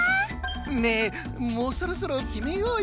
ねえもうそろそろ決めようよ。